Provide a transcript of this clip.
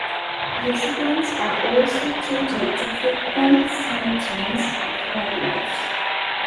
Residents are also treated to frequent sightings of wildlife.